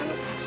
baru gua dua